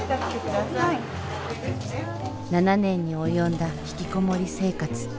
７年に及んだ引きこもり生活。